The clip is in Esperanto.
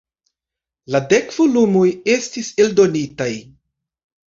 La dek volumoj estis eldonitaj.